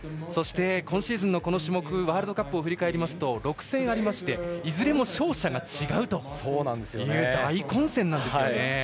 そして、今シーズンのこの種目ワールドカップを振り返りますぅと６戦ありいずれも勝者が違うという大混戦なんですよね。